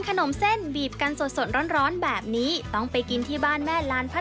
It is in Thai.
ขนมเส้นน้ำย้อยก็คือขนมเส้นกี่บีบใหม่นะคะ